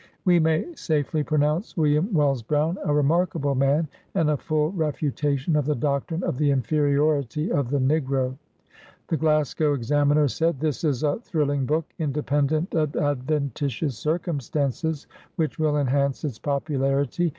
We may safely pronounce William Wells Brown a remarkable mam and a full refutation of the doctrine of the inferiority of the negro."' The Glasgow Examiner said: —' 'This is a thril ling book ; independent of adventitious circumstances, which will enhance its popularity.